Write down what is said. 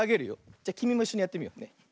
じゃきみもいっしょにやってみようね。